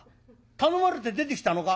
頼まれて出てきたのか？